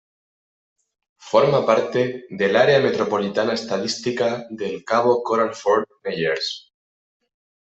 Forma parte del Área Metropolitana Estadística de Cabo Coral-Fort Myers.